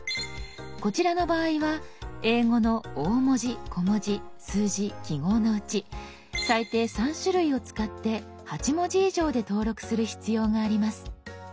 こちらの場合は英語の大文字小文字数字記号のうち最低３種類を使って８文字以上で登録する必要があります。